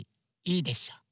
いいでしょ？